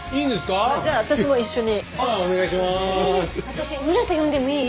私村瀬呼んでもいい？